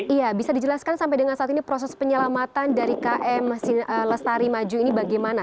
iya bisa dijelaskan sampai dengan saat ini proses penyelamatan dari km lestari maju ini bagaimana